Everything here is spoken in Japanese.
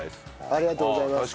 ありがとうございます。